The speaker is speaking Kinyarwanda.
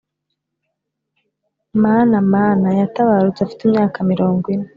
mana mana yatabarutse afite imyaka mirongo ine